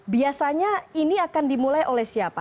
biasanya ini akan dimulai oleh siapa